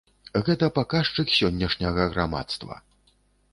Гэта паказчык сённяшняга грамадства.